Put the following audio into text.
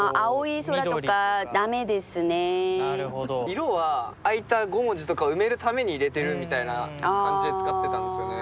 色は空いた５文字とかを埋めるために入れてるみたいな感じで使ってたんですよね。